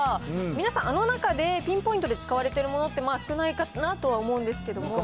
皆さん、あの中でピンポイントで使われてるものって少ないかなとは思うん難しいよね。